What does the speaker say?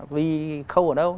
vì khâu ở đâu